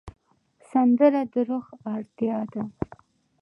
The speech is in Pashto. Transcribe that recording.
سندره د روح اړتیا ده